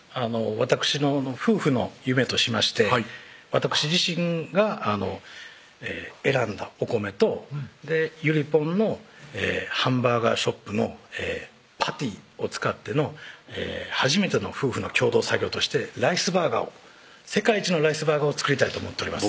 わたくしの夫婦の夢としましてはいわたくし自身が選んだお米とゆりぽんのハンバーガーショップのパティを使っての初めての夫婦の共同作業としてライスバーガーを世界一のライスバーガーを作りたいと思っております